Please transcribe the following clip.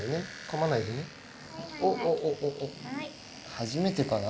初めてかな？